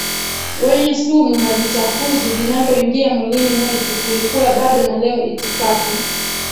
wenye sumu na vichafuzi vinavyoingia mwilini mwetu Kulikuwa bado na leo itifaki